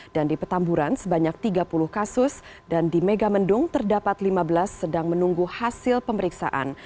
dan di petamburan sebanyak tiga puluh kasus dan di megamendung terdapat lima belas sedang menunggu hasil pemeriksaan